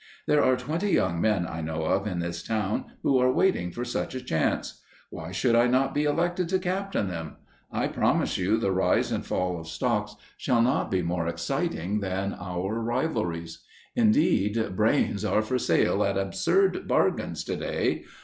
There are twenty young men I know of in this town who are waiting for such a chance. Why should I not be elected to captain them? I promise you the rise and fall of stocks shall not be more exciting than our rivalries. Indeed, brains are for sale at absurd bargains today.